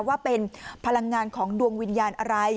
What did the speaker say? ว่าเป็นพลังงานของดวงวิญญาณอะไร